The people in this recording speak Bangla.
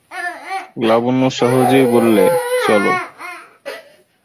লাবণ্য সহজেই বললে, চলো।